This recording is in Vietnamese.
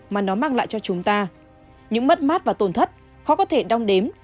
mà nó mang lại cho chúng ta những mất mát và tổn thất khó có thể đong đếm